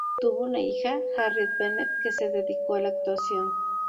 Tuvo una hija, Harriet Bennet, que se dedicó a la actuación.